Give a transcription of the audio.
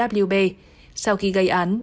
sau khi gây án đối tượng này đã bị giết